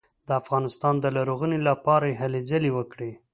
د افغانستان د رغونې لپاره یې هلې ځلې وکړې.